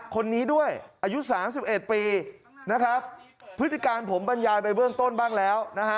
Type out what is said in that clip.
คนนี้ด้วยอายุ๓๑ปีพฤติการผมบรรยายไปเบื้องต้นบ้างแล้ว